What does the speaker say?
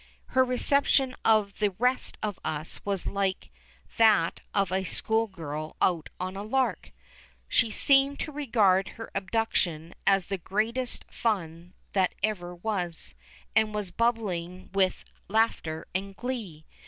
Her reception of the rest of us was like that of a school girl out on a lark. She seemed to regard her abduction as the greatest fun that ever was, and was bubbling with laughter and glee.